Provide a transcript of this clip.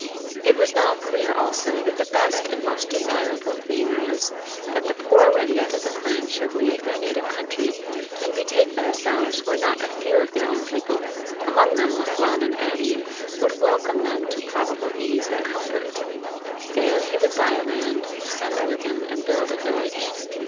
It was now clear also, that the best and most desirable thing was, that the poor remnant of the clan should leave their native country, and betake themselves where not a few of their own people, among them Lachlan and Annie, would welcome them to probable ease and comfort. There he would buy land, settle with them, and build a village.